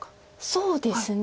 そうですね。